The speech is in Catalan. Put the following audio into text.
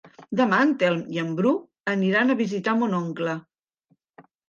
Demà en Telm i en Bru aniran a visitar mon oncle.